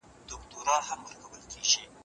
اګاتا روزېک د څارنې مسوول دی.